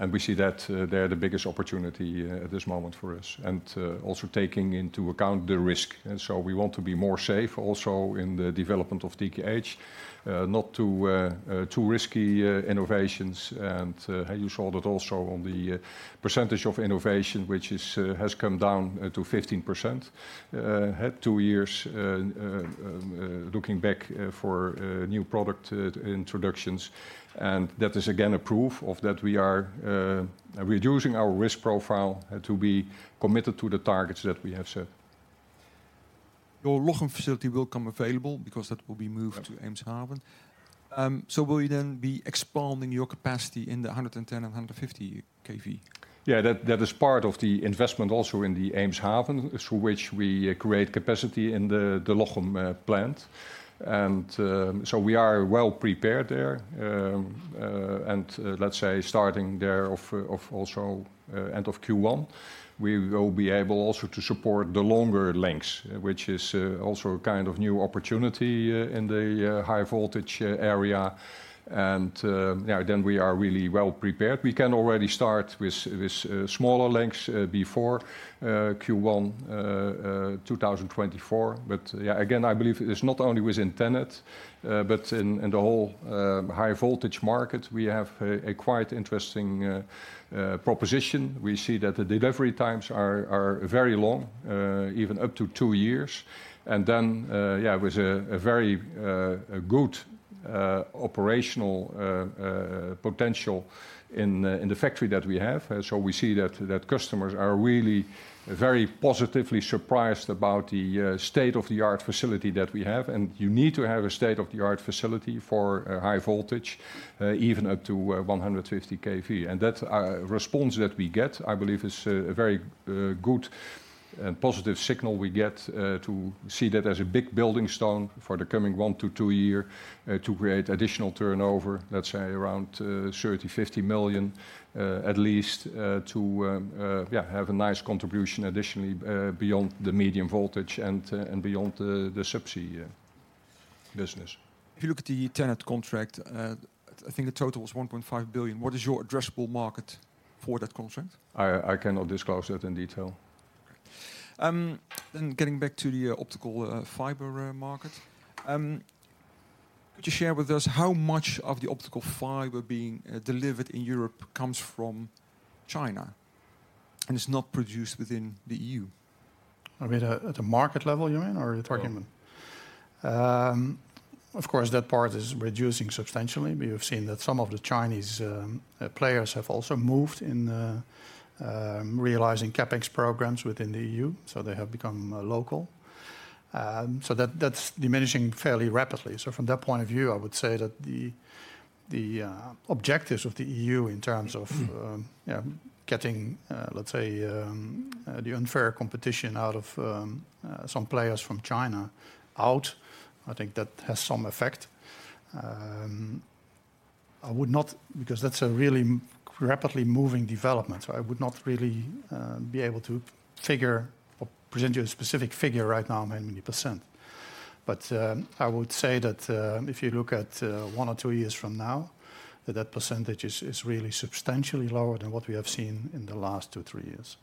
and we see that they're the biggest opportunity at this moment for us, and also taking into account the risk. So we want to be more safe also in the development of TKH, not to too risky innovations. You saw that also on the percentage of innovation, which is has come down to 15% at two years looking back for new product introductions. That is again, a proof of that we are reducing our risk profile and to be committed to the targets that we have set. Your Lochem facility will come available because that will be moved to Amsterdam. Will you then be expanding your capacity in the 110 and 150 kV? Yeah, that, that is part of the investment also in the Amsterdam, through which we create capacity in the, the Lochem plant. So we are well prepared there. Let's say, starting there of, of also, end of Q1, we will be able also to support the longer lengths, which is also a kind of new opportunity in the high voltage area. Yeah, then we are really well prepared. We can already start with, with smaller lengths before Q1 2024. Yeah, again, I believe it's not only within TenneT, but in, in the whole high voltage market, we have a quite interesting proposition. We see that the delivery times are, are very long, even up to two years. Then, yeah, with a very good operational potential in the factory that we have. We see that customers are really very positively surprised about the state-of-the-art facility that we have. You need to have a state-of-the-art facility for high voltage, even up to 150 kV. That response that we get, I believe, is a very good and positive signal we get, to see that as a big building stone for the coming one to two year, to create additional turnover, let's say around 30 million-50 million, at least, to, yeah, have a nice contribution additionally, beyond the medium voltage and beyond the Subsea business. If you look at the TenneT contract, I think the total was 1.5 billion. What is your addressable market for that contract? I, I cannot disclose that in detail. Okay. Getting back to the optical fiber market. Could you share with us how much of the optical fiber being delivered in Europe comes from China and is not produced within the EU? I mean, at, at the market level, you mean, or the target level? Both. Of course, that part is reducing substantially. We have seen that some of the Chinese players have also moved in, realizing CapEx programs within the EU, so they have become local. So that's diminishing fairly rapidly. From that point of view, I would say that the objectives of the EU in terms of-... yeah, getting, let's say, the unfair competition out of, some players from China out, I think that has some effect. I would not because that's a really rapidly moving development, so I would not really, be able to figure or present you a specific figure right now, how many %. I would say that, if you look at, one or two years from now, that that percentage is, is really substantially lower than what we have seen in the last two, three years.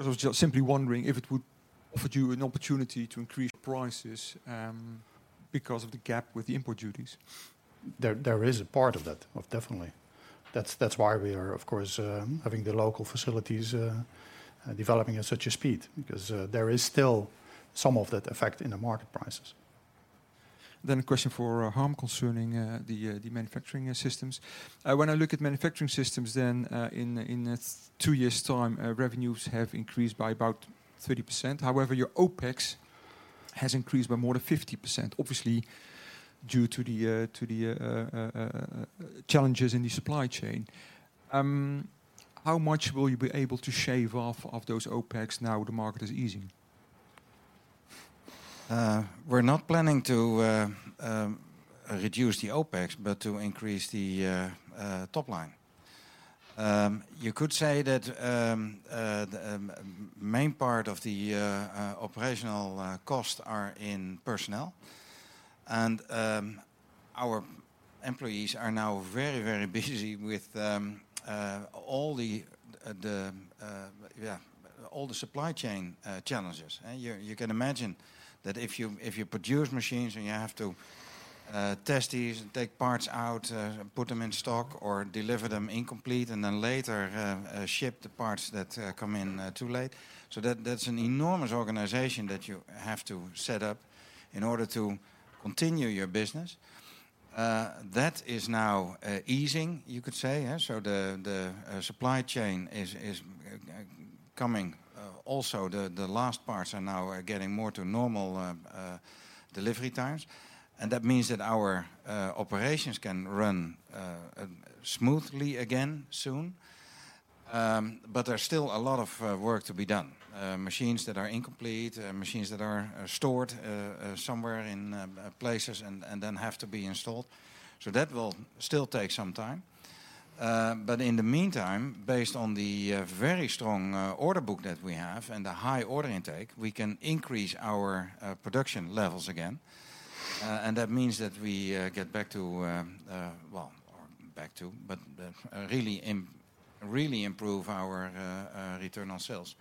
I was just simply wondering if it would offer you an opportunity to increase prices because of the gap with the import duties. There, there is a part of that, of definitely. That's, that's why we are, of course, having the local facilities, developing at such a speed, because, there is still some of that effect in the market prices. A question for Harm concerning the manufacturing systems. When I look at manufacturing systems, in two years' time, revenues have increased by about 30%. However, your OpEx has increased by more than 50%, obviously, due to the challenges in the supply chain. How much will you be able to shave off, off those OpEx now the market is easing? We're not planning to reduce the OpEx, but to increase the top line. You could say that the main part of the operational costs are in personnel, and our employees are now very, very busy with all the, yeah, all the supply chain challenges. You can imagine that if you produce machines and you have to test these and take parts out, put them in stock, or deliver them incomplete, and then later ship the parts that come in too late. That, that's an enormous organization that you have to set up in order to continue your business. That is now easing, you could say. The supply chain is coming. Also, the last parts are now getting more to normal delivery times. That means that our operations can run smoothly again soon. There's still a lot of work to be done. Machines that are incomplete, machines that are stored somewhere in places and then have to be installed. That will still take some time. In the meantime, based on the very strong order book that we have and the high order intake, we can increase our production levels again. That means that we get back to... well, back to, but really improve our return on sales.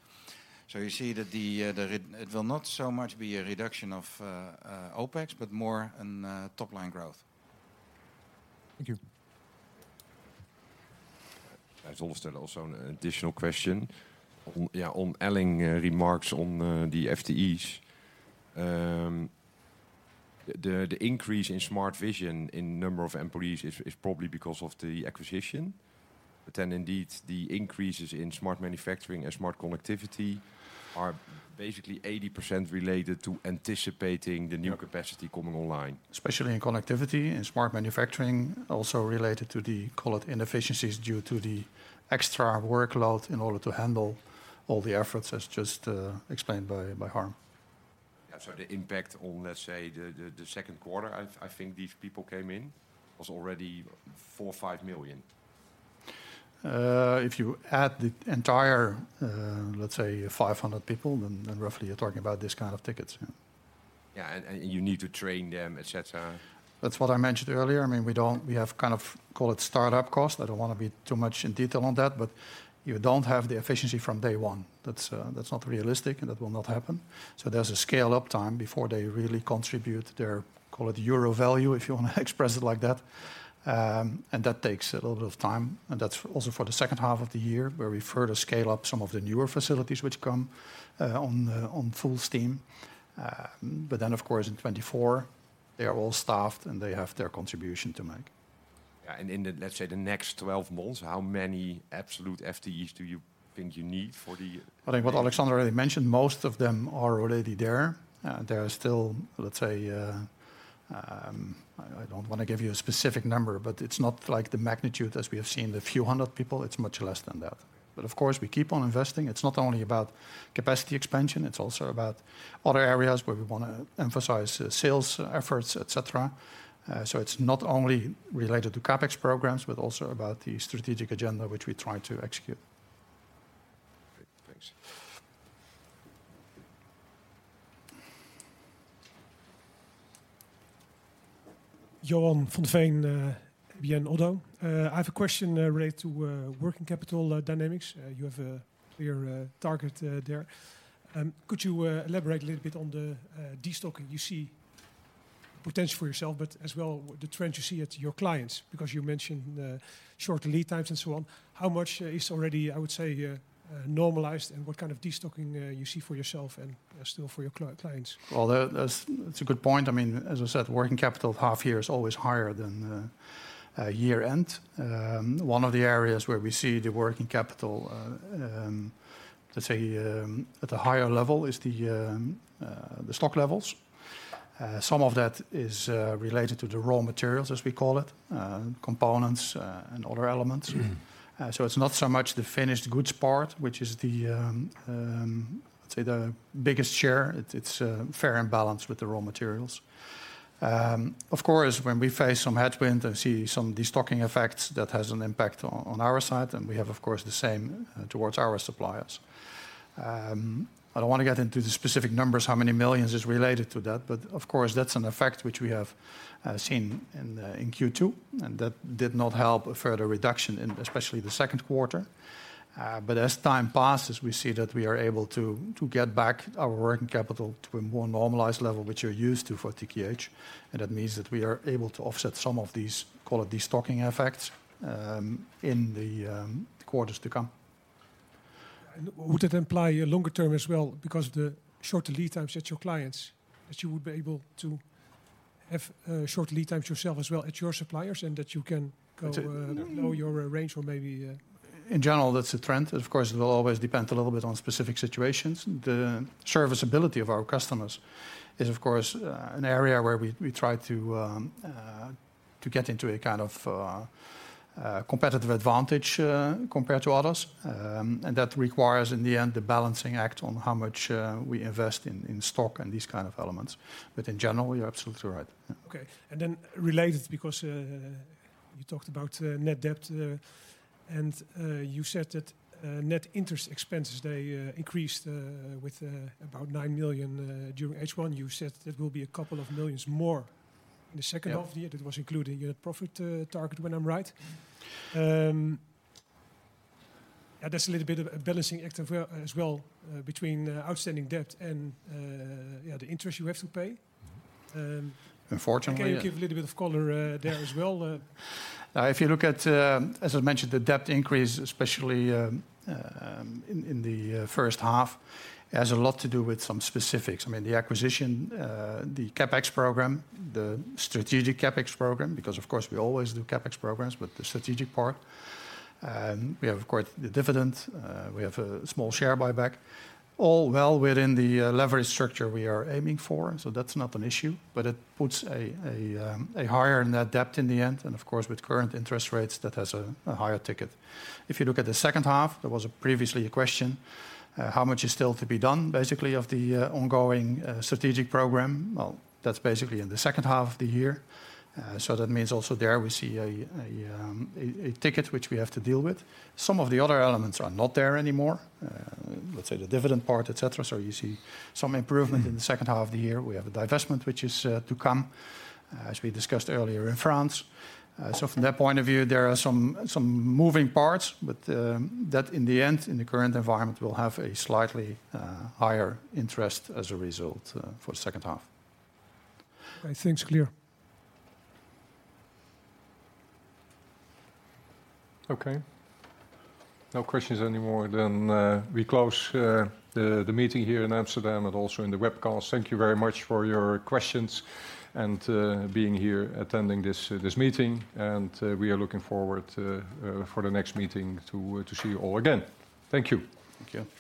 You see that it will not so much be a reduction of OpEx, but more an top line growth. Thank you. I also have also an additional question. On, yeah, on Elling remarks on the FTEs. The, the increase in Smart Vision in number of employees is, is probably because of the acquisition? Then indeed, the increases in Smart Manufacturing and Smart Connectivity are basically 80% related to anticipating the new capacity coming online. Especially in connectivity and Smart Manufacturing, also related to the, call it, inefficiencies, due to the extra workload in order to handle all the efforts, as just explained by, by Harm. The impact on the second quarter, I think these people came in, was already 4 million, 5 million. If you add the entire, let's say 500 people, then roughly you're talking about this kind of tickets, yeah. Yeah, you need to train them, et cetera. That's what I mentioned earlier. I mean, we don't. We have kind of, call it, startup costs. I don't want to be too much in detail on that, but you don't have the efficiency from day one. That's not realistic, and that will not happen. There's a scale-up time before they really contribute their, call it, euro value, if you want to express it like that. That takes a little bit of time, and that's also for the second half of the year, where we further scale up some of the newer facilities which come on the, on full steam. Then, of course, in 2024, they are all staffed, and they have their contribution to make.... Yeah, in the, let's say, the next 12 months, how many absolute FTEs do you think you need for the- I think what Alexander already mentioned, most of them are already there. There are still, let's say... I, I don't wanna give you a specific number, but it's not like the magnitude as we have seen, the few hundred people, it's much less than that. Of course, we keep on investing. It's not only about capacity expansion, it's also about other areas where we wanna emphasize, sales efforts, et cetera. It's not only related to CapEx programs, but also about the strategic agenda, which we try to execute. Great. Thanks. Johan van Veen, ODDO BHF. I have a question related to working capital dynamics. You have a clear target there. Could you elaborate a little bit on the destocking you see potential for yourself, but as well, the trend you see at your clients? Because you mentioned shorter lead times and so on. How much is already, I would say, normalized, and what kind of destocking you see for yourself and still for your clients? Well, that, that's, that's a good point. I mean, as I said, working capital of half year is always higher than year-end. One of the areas where we see the working capital, let's say, at a higher level, is the stock levels. Some of that is related to the raw materials, as we call it, components, and other elements. It's not so much the finished goods part, which is the, let's say, the biggest share. It's fair and balanced with the raw materials. Of course, when we face some headwind and see some destocking effects, that has an impact on our side, and we have, of course, the same towards our suppliers. I don't wanna get into the specific numbers, how many millions is related to that, but of course, that's an effect which we have seen in Q2, and that did not help a further reduction in especially the second quarter. As time passes, we see that we are able to get back our working capital to a more normalized level, which you're used to for TKH. That means that we are able to offset some of these, call it, destocking effects, in the quarters to come. Would it imply longer term as well, because the shorter lead times at your clients, that you would be able to have shorter lead times yourself as well at your suppliers, and that you can go. know your range or maybe, - In general, that's the trend. Of course, it will always depend a little bit on specific situations. The serviceability of our customers is, of course, an area where we, we try to get into a kind of competitive advantage compared to others. That requires, in the end, a balancing act on how much we invest in, in stock and these kind of elements. In general, you're absolutely right. Yeah. Okay. Then related, because you talked about net debt, and you said that net interest expenses, they increased with about 9 million during H1. You said that will be a couple of millions EUR more. ... in the second half of the year. That was included in your profit target, when I'm right. Yeah, that's a little bit of a balancing act as well, between outstanding debt and, yeah, the interest you have to pay. Unfortunately, yeah. Can you give a little bit of color, there as well? I mentioned, the debt increase, especially in the first half, it has a lot to do with some specifics. I mean, the acquisition, the CapEx program, the strategic CapEx program, because of course we always do CapEx programs, but the strategic part. And we have, of course, the dividend, we have a small share buyback, all well within the leverage structure we are aiming for, so that's not an issue. But it puts a higher net debt in the end, and of course, with current interest rates, that has a higher ticket. If you look at the second half, there was previously a question, how much is still to be done, basically, of the ongoing strategic program? Well, that's basically in the second half of the year. That means also there we see a ticket which we have to deal with. Some of the other elements are not there anymore, let's say, the dividend part, et cetera, so you see some improvement in the second half of the year. We have a divestment, which is to come, as we discussed earlier, in France. From that point of view, there are some, some moving parts, but that in the end, in the current environment, will have a slightly higher interest as a result, for the second half. I think it's clear. Okay. No questions anymore, we close the the meeting here in Amsterdam and also in the webcast. Thank you very much for your questions and being here attending this this meeting, we are looking forward to for the next meeting to to see you all again. Thank you. Thank you.